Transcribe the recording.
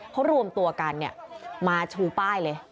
เขารวมตัวกันมาชูป้ายเลย